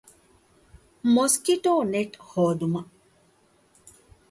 މޮސްކިޓޯނެޓް ހޯދުމަށް